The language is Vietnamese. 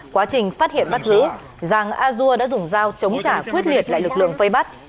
quá trình phát hiện bắt giữ giàng a dua đã dùng dao chống trả quyết liệt lại lực lượng vây bắt